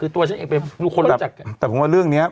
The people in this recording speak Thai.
แต่ผมว่าเรื่องนี้